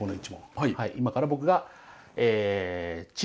はい。